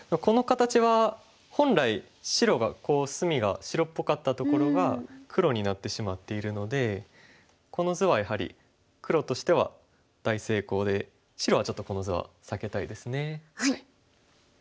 この形は本来白がこう隅が白っぽかったところが黒になってしまっているのでこの図はやはり黒としては大成功で白はちょっとこの図は避けたいですね。